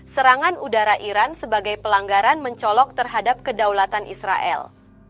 serangan udara iran sebagai pelanggaran mencolok terhadap kedaulatan israel